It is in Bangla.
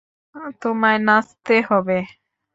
তোমায় নাচতে হবে।